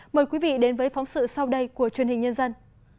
mời quý vị đến với phóng sự sau đây của truyền hình nhân dân